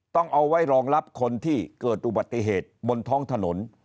ต้องเอาไว้รองรับคนที่เกิดอุบัติเหตุบนท้องถนน